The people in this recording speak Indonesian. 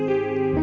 ya sayang yuk